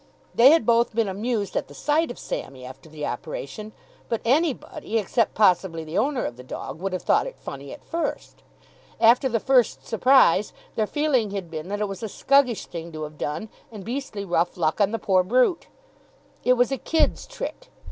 They had both been amused at the sight of Sammy after the operation, but anybody, except possibly the owner of the dog, would have thought it funny at first. After the first surprise, their feeling had been that it was a scuggish thing to have done and beastly rough luck on the poor brute. It was a kid's trick.